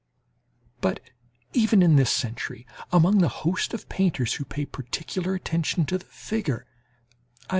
But even in this century, among the host of painters who pay particular attention to the figure, _i.